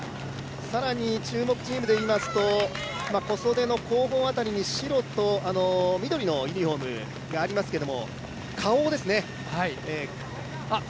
更に注目チームで言いますと、小袖の後方辺りに白と緑のユニフォームがありますけども花王ですね。